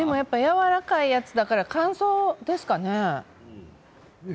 やわらかいやつだから乾燥ですかね。